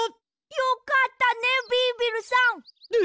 よかったねビービルさん！